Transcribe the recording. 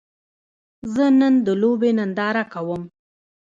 زه نن د لوبې ننداره کوم